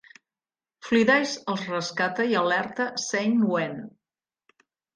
Flidais els rescata i alerta Ceinwen.